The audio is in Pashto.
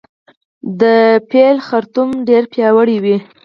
د پیل خرطوم ډیر پیاوړی وي